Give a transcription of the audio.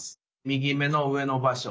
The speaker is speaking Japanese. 右目の上の場所